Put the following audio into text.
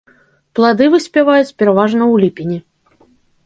Плады выспяваюць пераважна ў ліпені.